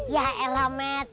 ya elah mehmet